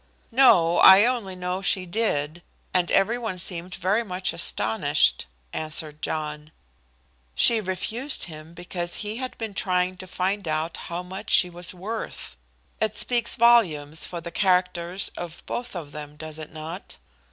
"No; I only know she did, and every one seemed very much astonished," answered John. "She refused him because he had been trying to find out how much she was worth. It speaks volumes for the characters of both of them, does it not?"